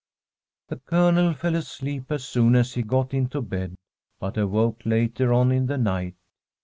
The Colonel fell asleep as soon as he got into bed, but awoke later on in the night.